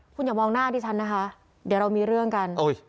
คุณอย่ามองหน้าดิฉันนะคะเดี๋ยวเรามีเรื่องกัน